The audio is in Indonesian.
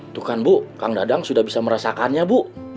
itu kan bu kang dadang sudah bisa merasakannya bu